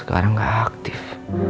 sekarang gak aktif